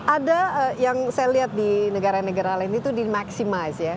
ada yang saya lihat di negara negara lain itu di maximize ya